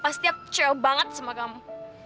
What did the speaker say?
pasti aku cewek banget sama kamu